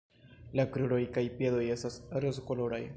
La kruroj kaj piedoj estas rozkoloraj.